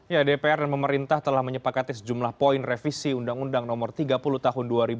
ya dpr dan pemerintah telah menyepakati sejumlah poin revisi undang undang no tiga puluh tahun dua ribu dua